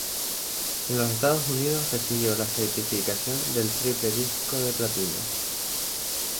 En los Estados Unidos recibió la certificación del triple disco de platino.